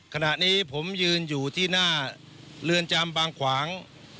ขณะนี้ผมยืนอยู่ที่หน้าเรือนจำบางขวาง